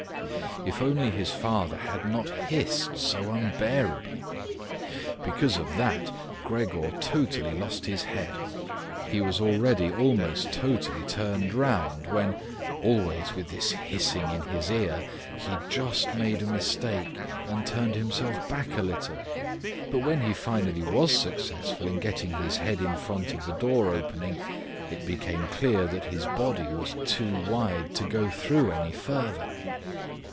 If only his father had not hissed so unbearably! Because of that Gregor totally lost his head. He was already almost totally turned around, when, always with this hissing in his ear, he just made a mistake and turned himself back a little. But when he finally was successful in getting his head in front of the door opening, it became clear that his body was too wide to go through any further.